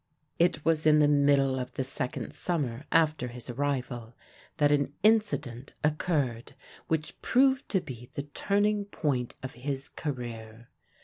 It was in the middle of the second summer after his arrival that an incident occurred which proved to be the turning point of his career.